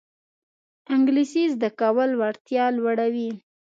انګلیسي زده کول وړتیا لوړوي